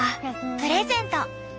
プレゼント。